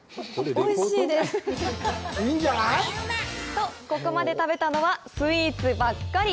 と、ここまで食べたのはスイーツばかり。